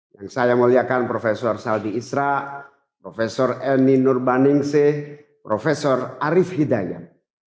yang saya muliakan profesor saldi isra prof eni nurbaningsih prof arief hidayat